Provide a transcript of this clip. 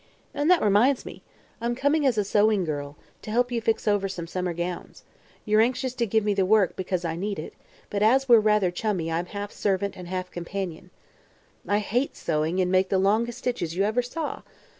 And that reminds me: I'm coming as a sewing girl, to help you fix over some summer gowns. You're anxious to give me the work, because I need it, but as we're rather chummy I'm half servant and half companion. (I hate sewing and make the longest stitches you ever saw!)